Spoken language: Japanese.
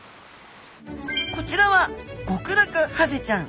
こちらはゴクラクハゼちゃん。